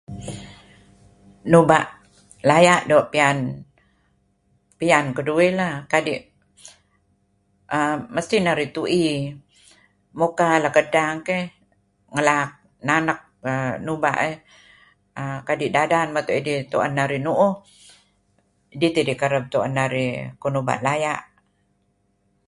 Nubah layah do pian, pian kadu'uih lah..kadih[aah] masti narih tu'ie mu'ka lakadtang keh, ngala'ak na'nak[aah]nuba[aah][aah] kadih dadan matuh idih tu'an narih nuuh, dih tih idih kareb tu'an narih kuh nuba layah.